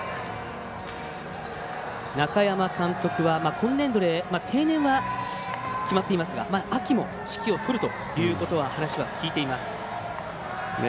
中山監督は、今年度で定年は決まっていますが秋も指揮を執るということは話は聞いています。